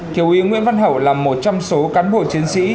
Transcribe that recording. thiếu úy nguyễn văn hậu làm một trăm linh số cán bộ chiến sĩ